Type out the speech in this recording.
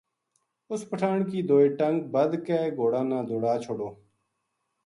اِس پٹھان کی دوئے ٹنگ بَد کے گھوڑاں نا دوڑا چھوڈو ‘‘